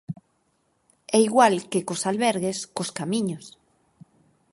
E igual que cos albergues, cos Camiños.